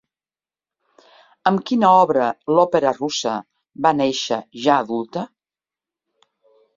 Amb quina obra l'òpera russa va néixer ja adulta?